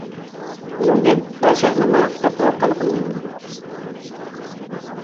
بۇنىڭدىن پادىشاھنىڭ ماڭا خىتاب قىلىۋاتقانلىقىنى بىلدىم.